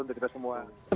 untuk kita semua